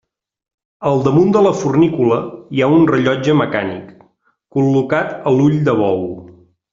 Al damunt de la fornícula hi ha un rellotge mecànic, col·locat a l'ull de bou.